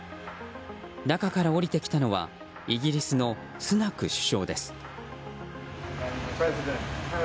中から降りてきたのはイギリスのスナク首相です。